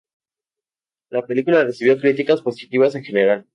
La película recibió críticas positivas en general.